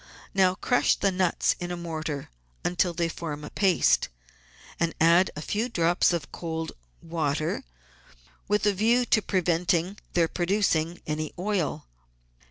Now crush the nuts in a mortar until they form a paste, and add a few drops of cold water with a view to preventing their producing any oil.